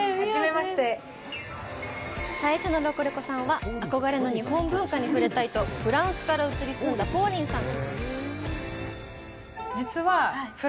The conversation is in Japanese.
最初のロコレコさんは、憧れの日本文化に触れたいとフランスから移り住んだポーリンさん。